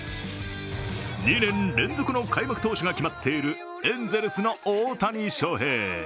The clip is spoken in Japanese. ２年連続の開幕投手が決まっているエンゼルスの大谷翔平。